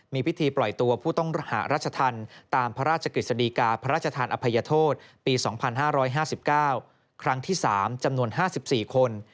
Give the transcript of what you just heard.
มีพิธีปล่อยตัวผู้ต้องหารัชธรรมตามพระราชกฤษฎีกาพระราชทานอภัยโทษปี๒๕๕๙ครั้งที่๓จำนวน๕๔คน